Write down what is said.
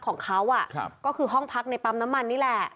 ขอบคุณครับ